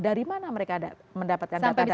dari mana mereka mendapatkan data data